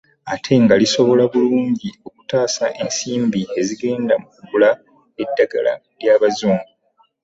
Ate nga lisobola bulungi okutaasa ensimbi ezigenda mu kugula eddagala ly'abazungu